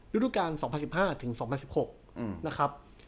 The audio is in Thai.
ยุฒิการ๒๐๑๕๒๐๑๖นะครับ